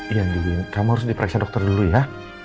iya kamu harus diperiksa dokter dulu ya